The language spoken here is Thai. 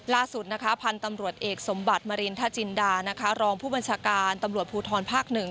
ล่าสุดพันธุ์ตำรวจเอกสมบัติมารินทจินดารองผู้บัญชาการตำรวจภูทรภักดิ์หนึ่ง